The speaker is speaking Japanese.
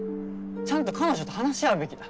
ちゃんと彼女と話し合うべきだ。